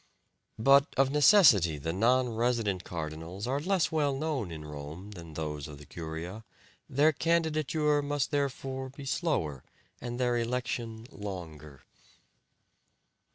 But of necessity the non resident cardinals are less well known in Rome than those of the curia, their candidature must therefore be slower and the election longer."